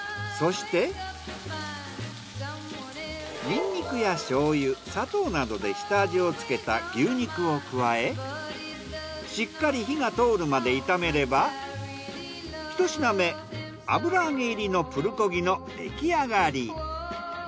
そしてニンニクや醤油砂糖などで下味をつけた牛肉を加えしっかり火が通るまで炒めれば一品目油揚げ入りのプルコギの出来上がり。